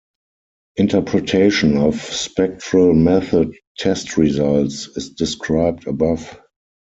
Interpretation of Spectral Method test results is described above.